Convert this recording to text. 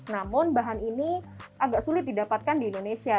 namun bahan ini agak sulit didapatkan di indonesia